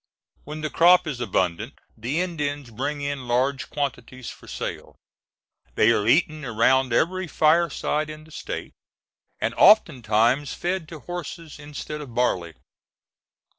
When the crop is abundant the Indians bring in large quantities for sale; they are eaten around every fireside in the State, and oftentimes fed to horses instead of barley.